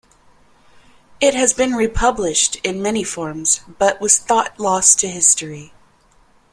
It has been republished in many forms, but was thought lost to history.